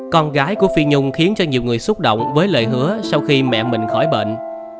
con gái của phi nhung khiến cho nhiều người xúc động với lời hứa sau khi mẹ mình khỏi bệnh